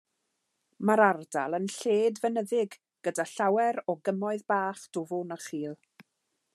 Mae'r ardal yn lled fynyddig gyda llawer o gymoedd bach, dwfn a chul.